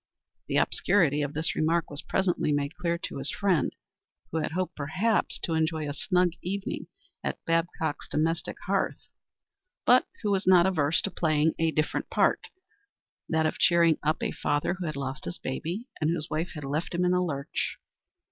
The obscurity of this remark was presently made clear to his friend, who had hoped perhaps to enjoy a snug evening at Babcock's domestic hearth, but who was not averse to playing a different part that of cheering up a father who had lost his baby, and whose wife had left him in the lurch.